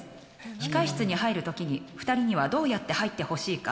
控室に入るときに２人にはどうやって入ってほしいか。